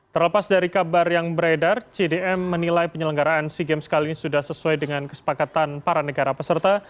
terlepas dari kabar yang beredar cdm menilai penyelenggaraan sea games kali ini sudah sesuai dengan kesepakatan para negara peserta